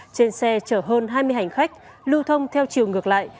trên xe chở hơn hai mươi hành khách lưu thông theo chiều ngược lại